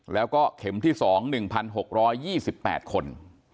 แล้วก็เข็มที่๒๑๖๒๘คน